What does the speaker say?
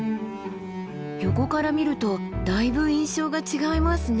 横から見るとだいぶ印象が違いますね。